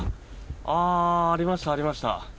ありました、ありました。